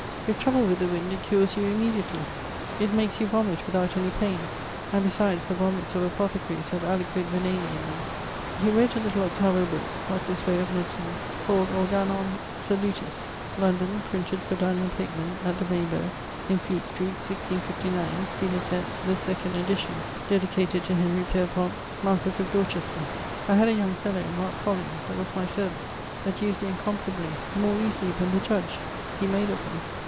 If troubled with the wind it cures you immediately. It makes you vomit without any paine, and besides, the vomits of apothecaries have aliquid veneni in them. He wrote a little 8vo booke, of this way of medicine, called Organon Salutis: London, printed for Daniel Pakeman, at the Rainebowe, in Fleet street, 1659, scil. the second edition, dedicated to Henry , marquess of Dorchester. I had a young fellow (Marc Collins), that was my servant, that used it incomparably, more easily than the Judge; he made of them.